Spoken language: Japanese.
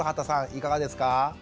いかがですか？